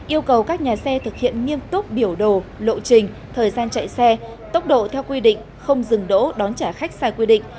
yêu cầu các nhà xe thực hiện nghiêm túc biểu đồ lộ trình thời gian chạy xe tốc độ theo quy định không dừng đỗ đón trả khách sai quy định